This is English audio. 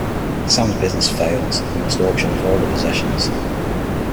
Sam's business fails, and they must auction off all their possessions.